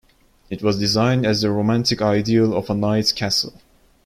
It was designed as the romantic ideal of a knight's castle.